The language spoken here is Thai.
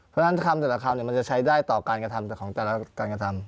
เพราะฉะนั้นคำแต่ละคำมันจะใช้ได้ต่อการกระทำแต่ของแต่ละการกระทำ